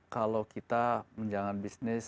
kalau kita menjalankan bisnis